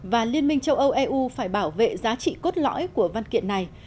và liên minh châu âu eu phải bảo vệ giá trị cốt lõi của văn kiện này